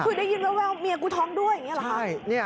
คือได้ยินแววเมียกูท้องด้วยอย่างนี้เหรอคะ